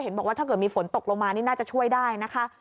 บอกว่าถ้าเกิดมีฝนตกลงมานี่น่าจะช่วยได้นะคะ